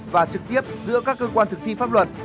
và trực tiếp giữa các cơ quan thực thi pháp luật